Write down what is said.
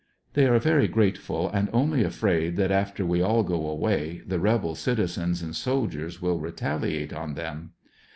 They are very grateful, and only afraid that after we all go away the rebel cttizens and soldiers will retaliate on them.